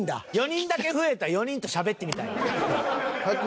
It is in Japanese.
４人だけ増えた４人としゃべってみたい。